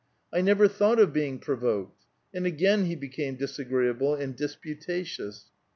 *' I never thought of being provoked." And again he be came disagreeable and disputatious.